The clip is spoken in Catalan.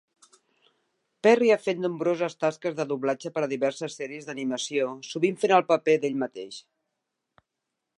Perry ha fet nombroses tasques de doblatge per a diverses sèries d'animació, sovint fent el paper d'ell mateix.